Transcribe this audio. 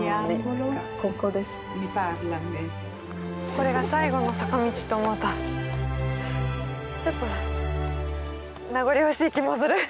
これが最後の坂道と思うとちょっと名残惜しい気もする。